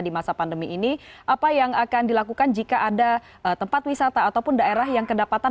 di masa pandemi ini apa yang akan dilakukan jika ada tempat wisata ataupun daerah yang kedapatan